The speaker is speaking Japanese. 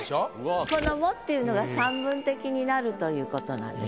この「も」っていうのが散文的になるということなんです。